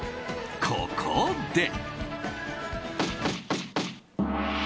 ここで。